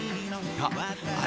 あ